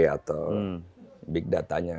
atau big data nya